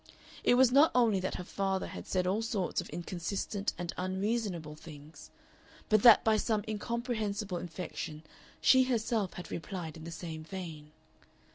It was not only that her father had said all sorts of inconsistent and unreasonable things, but that by some incomprehensible infection she herself had replied in the same vein.